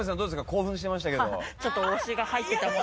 興奮してましたけど。